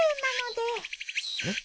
えっ。